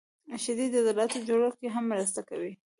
• شیدې د عضلاتو جوړولو کې هم مرسته کوي.